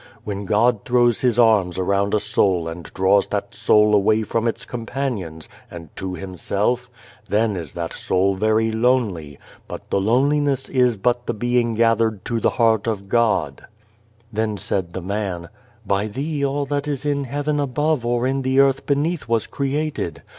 When God throws His arms around a soul and draws that soul away from its com panions, and to Himself, then is that soul very lonely, but the loneliness is but the being gathered to the heart of God" Then said the man :" By Thee all that is in heaven above or in the earth beneath was created.